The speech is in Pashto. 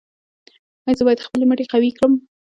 ایا زه باید خپل مټې قوي کړم؟